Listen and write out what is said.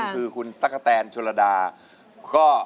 คือคุณตะกะแตนชัวร์ระดา